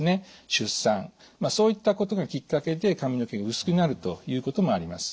出産そういったことがきっかけで髪の毛が薄くなるということもあります。